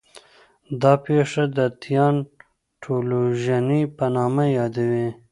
دا پېښه د 'تیان ټولوژنې' په نامه یادوي.